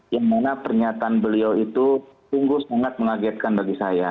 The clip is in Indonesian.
yang mana pernyataan beliau itu sungguh sangat mengagetkan bagi saya